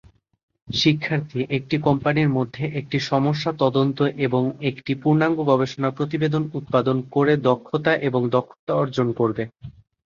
শিক্ষার্থী একটি কোম্পানির মধ্যে একটি সমস্যা তদন্ত এবং একটি সম্পূর্ণ গবেষণা প্রতিবেদন উৎপাদন করে দক্ষতা এবং দক্ষতা অর্জন করবে।